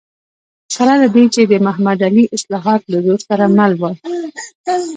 سره له دې چې د محمد علي اصلاحات له زور سره مل و.